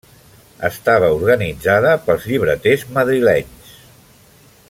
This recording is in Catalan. Estava organitzada pels llibreters madrilenys.